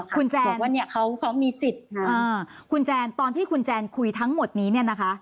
คุณแจนบอกว่าเนี่ยเขามีสิทธิ์คุณแจนตอนที่คุณแจนคุยทั้งหมดนี้เนี่ยนะคะ